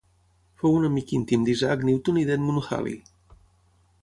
Fou un amic íntim d'Isaac Newton i d'Edmund Halley.